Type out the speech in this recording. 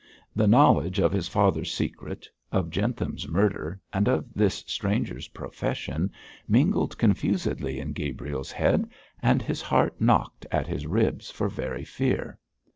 The knowledge of his father's secret, of Jentham's murder and of this stranger's profession mingled confusedly in Gabriel's head, and his heart knocked at his ribs for very fear.